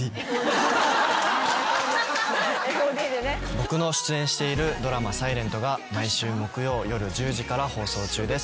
僕の出演しているドラマ『ｓｉｌｅｎｔ』が毎週木曜夜１０時から放送中です。